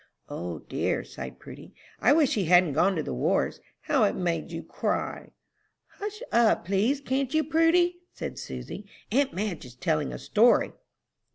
"O dear," sighed Prudy, "I wish he hadn't gone to the wars. How it made you cry!" "Hush up, please, can't you, Prudy?" said Susy. "Aunt Madge is telling a story."